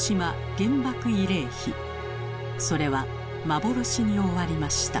それは幻に終わりました。